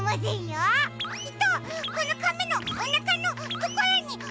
きっとこのかめのおなかのところに。